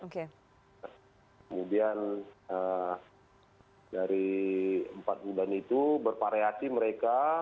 kemudian dari empat bulan itu bervariasi mereka